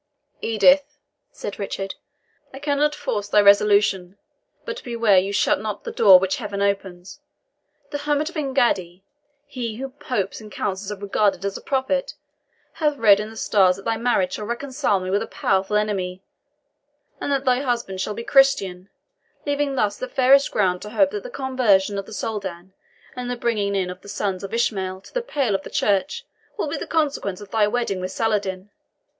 "Edith," said Richard, "I cannot force thy resolution; but beware you shut not the door which Heaven opens. The hermit of Engaddi he whom Popes and Councils have regarded as a prophet hath read in the stars that thy marriage shall reconcile me with a powerful enemy, and that thy husband shall be Christian, leaving thus the fairest ground to hope that the conversion of the Soldan, and the bringing in of the sons of Ishmael to the pale of the church, will be the consequence of thy wedding with Saladin.